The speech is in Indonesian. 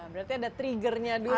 berarti ada triggernya dulu